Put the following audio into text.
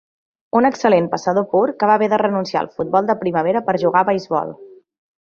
Un excel·lent passador pur, que va haver de renunciar al futbol de primavera per jugar a beisbol.